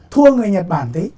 thua người nhật bản tí